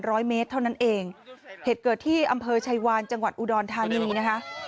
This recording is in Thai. ร้อยเมตรเท่านั้นเองเหตุเกิดที่อำเภอชายวานจังหวัดอุดรธานีนะคะ